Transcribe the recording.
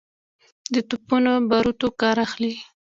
د توپونو باروتو کار اخلي.